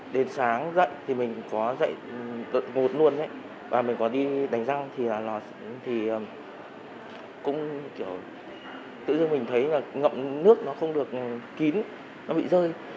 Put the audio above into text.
đến sáng dậy thì mình có dậy đội luôn và mình có đi đánh răng thì cũng kiểu tự dưng mình thấy là ngậm nước nó không được kín nó bị rơi